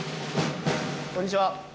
こんにちは。